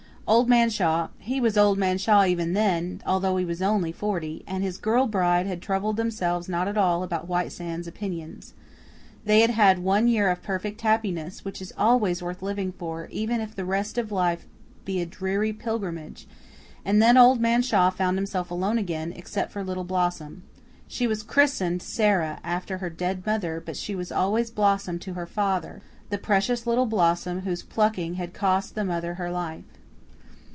Old Man Shaw he was Old Man Shaw even then, although he was only forty and his girl bride had troubled themselves not at all about White Sands opinions. They had one year of perfect happiness, which is always worth living for, even if the rest of life be a dreary pilgrimage, and then Old Man Shaw found himself alone again, except for little Blossom. She was christened Sara, after her dead mother, but she was always Blossom to her father the precious little blossom whose plucking had cost the mother her life.